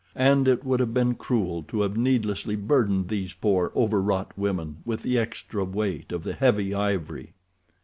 And it would have been cruel to have needlessly burdened these poor, overwrought women with the extra weight of the heavy ivory.